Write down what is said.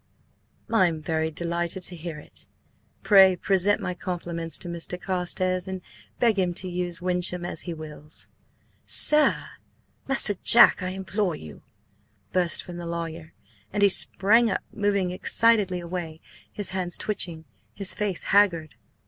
"I am very delighted to hear it. Pray present my compliments to Mr. Carstares and beg him to use Wyncham as he wills." "Sir! Master Jack! I implore you!" burst from the lawyer, and he sprang up, moving excitedly away, his hands twitching, his face haggard.